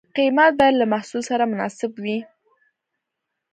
قیمت باید له محصول سره مناسب وي.